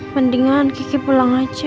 mendingan kiki pulang aja